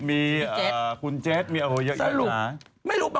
มีกำไร